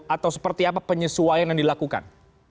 atau seperti apa penyesuaian yang dilakukan